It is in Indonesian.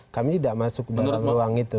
kami tidak masuk dalam ruang itu